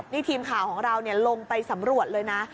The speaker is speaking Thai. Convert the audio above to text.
นี่ทีมข่าวของเราลงไปสำรวจเลยนะ